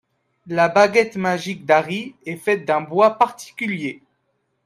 La baguette magique d'Harry est faite d'un bois particulier.